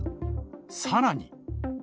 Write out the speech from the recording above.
さらに。